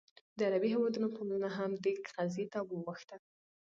د عربي هېوادونو پاملرنه هم دې قضیې ته واوښته.